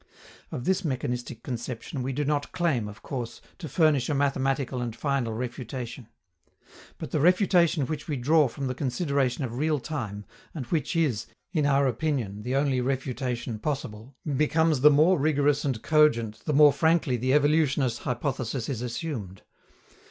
Of this mechanistic conception we do not claim, of course, to furnish a mathematical and final refutation. But the refutation which we draw from the consideration of real time, and which is, in our opinion, the only refutation possible, becomes the more rigorous and cogent the more frankly the evolutionist hypothesis is assumed.